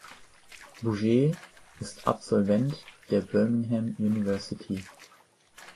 Bouchet ist Absolvent der Birmingham University.